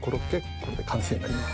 これで完成になります。